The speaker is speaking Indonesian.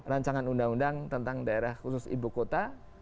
rancangan undang undang tentang daerah khusus ibu kota